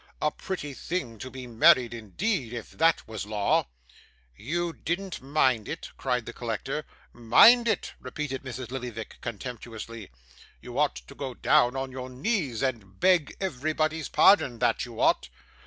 A pretty thing to be married indeed, if that was law!' 'You didn't mind it?' cried the collector. 'Mind it!' repeated Mrs. Lillyvick contemptuously. 'You ought to go down on your knees and beg everybody's pardon, that you ought.